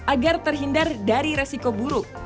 agar terhindar dari resiko buruk